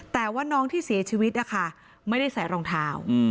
แต่ว่าน้องที่เสียชีวิตนะคะไม่ได้ใส่รองเท้า